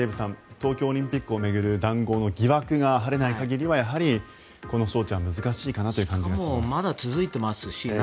東京オリンピックを巡る談合の疑惑が晴れない限りはやはりこの招致は難しい感じがしますね。